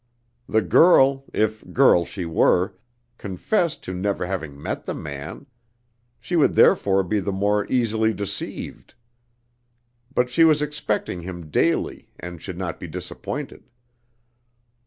The girl, if girl she were, confessed to never having met the man; she would therefore be the more easily deceived. But she was expecting him daily, and should not be disappointed.